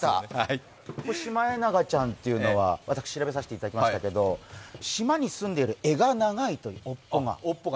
シマエナガちゃんっていうのは私、調べさせていただいたんですが島に住んでいる柄が長いという、尾っぽが。